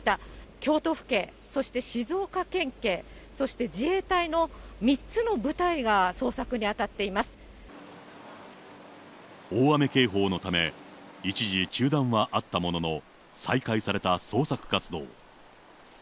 京都府警、そして静岡県警、そして自衛隊の３つの部隊が捜索に当たっていま大雨警報のため、一時、中断はあったものの、再開された捜索活動。